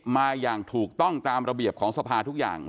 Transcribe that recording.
มาอย่างถูกต้องตามระเบียบของสภาทุกอย่าง